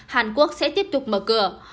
hàn quốc sẽ tiếp tục mở cửa